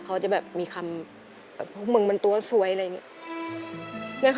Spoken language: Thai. เขาจะแบบมีคำแบบพวกมึงมันตัวสวยอะไรอย่างนี้